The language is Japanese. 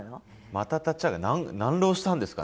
「また立ち上がる」何浪したんですかね？